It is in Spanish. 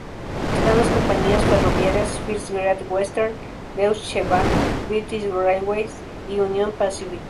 Están las compañías ferroviarias First Great Western, Deutsche Bahn, British Railways y Union Pacific.